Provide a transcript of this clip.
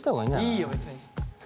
いいよ別に。